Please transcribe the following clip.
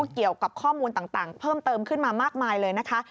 เกี่ยวกับข้อมูลต่างเพิ่มเติมขึ้นมามากมายเลยนะคะ